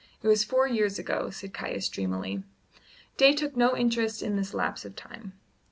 It was four years ago," said Caius dreamily. Day took no interest in this lapse of time.